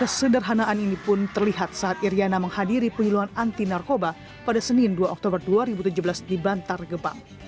kesederhanaan ini pun terlihat saat iryana menghadiri penyuluhan anti narkoba pada senin dua oktober dua ribu tujuh belas di bantar gebang